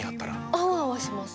アワアワします